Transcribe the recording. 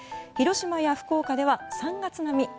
広島や福岡では３月並み。